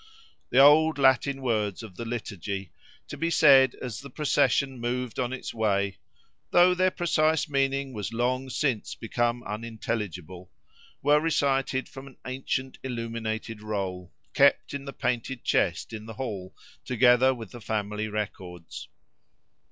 The old Latin words of the liturgy, to be said as the procession moved on its way, though their precise meaning was long since become unintelligible, were recited from an ancient illuminated roll, kept in the painted chest in the hall, together with the family records.